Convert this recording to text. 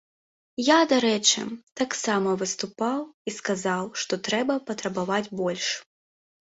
Я, дарэчы, там таксама выступаў і сказаў, што трэба патрабаваць больш.